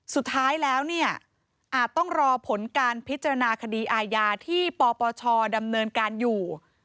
สุดท้ายแล้วเนี่ยอาจต้องรอผลการพิจารณาคดีอาญาที่ปปชดำเนินการอยู่